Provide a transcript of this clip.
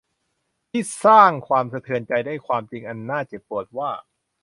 ที่สร้างความสะเทือนใจด้วยความจริงอันน่าเจ็บปวดว่า